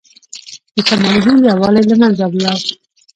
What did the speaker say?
د شمالي هند یووالی له منځه لاړ.